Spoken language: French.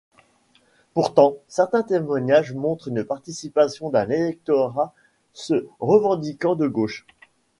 Pourtant certains témoignages montrent une participation d'un électorat se revendiquant de gauche.